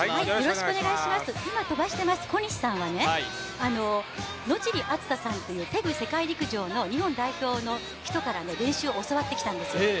今飛ばしています小西さんは、野尻あずささんというテグ世界陸上の日本代表の人から練習を教わってきたんですよ。